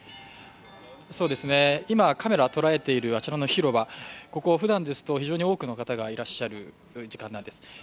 今、カメラが捉えているあちらの広場、ここふだんですと、非常に多くの方がいらっしゃる広場なんです。